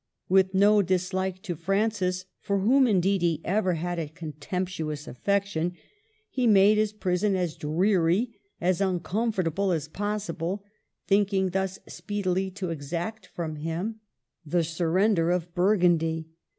With no dislike to Francis (for whom, indeed, he ever had a contemptuous affection), he made his prison as dreary, as uncomfortable as pos sible, thinking thus speedily to exact from him 88 MARGARET OF ANGOUL^ME. the surrender of Burgundy.